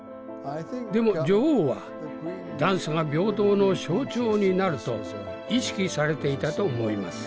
でも女王はダンスが平等の象徴になると意識されていたと思います。